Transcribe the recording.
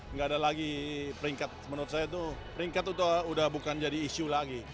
nggak ada lagi peringkat menurut saya itu peringkat itu udah bukan jadi isu lagi